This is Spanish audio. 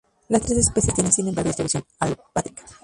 Las tres especies tienen, sin embargo, distribución alopátrica.